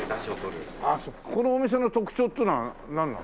このお店の特徴っていうのはなんなの？